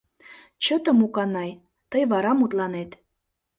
Чыте, Муканай, тый вара мутланет.